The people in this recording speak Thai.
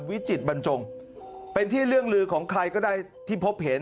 วิจิตบรรจงเป็นที่เรื่องลือของใครก็ได้ที่พบเห็น